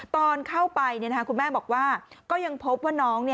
ตอนเข้าไปคุณแม่บอกว่าก็ยังพบว่าน้อง